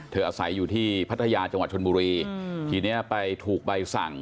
อาศัยอยู่ที่พัทยาจังหวัดชนบุรีทีนี้ไปถูกใบสั่ง